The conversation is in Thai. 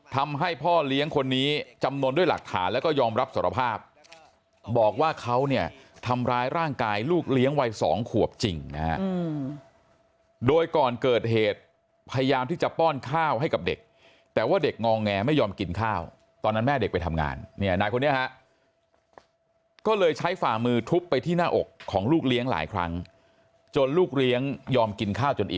ทำให้พ่อเลี้ยงคนนี้จำนวนด้วยหลักฐานแล้วก็ยอมรับสารภาพบอกว่าเขาเนี่ยทำร้ายร่างกายลูกเลี้ยงวัย๒ขวบจริงนะฮะโดยก่อนเกิดเหตุพยายามที่จะป้อนข้าวให้กับเด็กแต่ว่าเด็กงอแงไม่ยอมกินข้าวตอนนั้นแม่เด็กไปทำงานเนี่ยนายคนนี้ฮะก็เลยใช้ฝ่ามือทุบไปที่หน้าอกของลูกเลี้ยงหลายครั้งจนลูกเลี้ยงยอมกินข้าวจนอ